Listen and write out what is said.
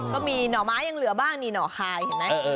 ก็มีหน่อไม้ยังเหลือบ้างนี่หน่อคายเห็นไหม